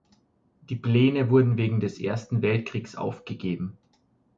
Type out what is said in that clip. Die Pläne wurden wegen des Ersten Weltkrieges aufgegeben.